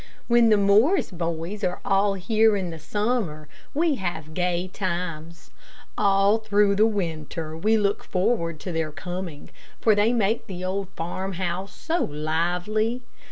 When the Morris boys are all here in the summer we have gay times. All through the winter we look forward to their coming, for they make the old farmhouse so lively.